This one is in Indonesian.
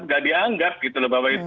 tidak dianggap gitu